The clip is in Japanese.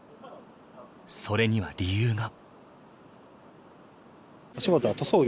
それには理由が。